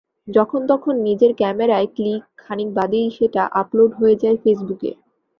যখন তখন নিজের ক্যামেরায় ক্লিক, খানিক বাদেই সেটা আপলোড হয়ে যায় ফেসবুকে।